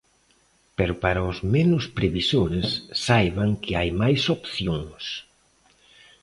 Pero para os menos previsores, saiban que hai máis opcións.